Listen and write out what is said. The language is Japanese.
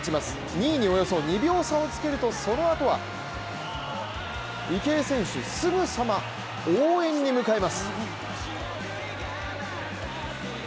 ２位におよそ２秒差をつけるとその後は池江選手すぐさま、応援に向かいます。